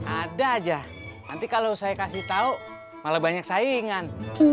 ada aja nanti kalau saya kasih tahu malah banyak saingan